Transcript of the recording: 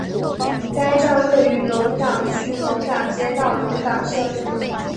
该站位于龙岗区龙岗街道龙岗社区。